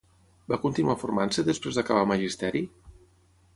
Va continuar formant-se després d'acabar Magisteri?